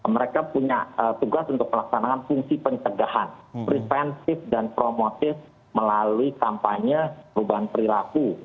mereka punya tugas untuk melaksanakan fungsi pencegahan preventif dan promotif melalui kampanye perubahan perilaku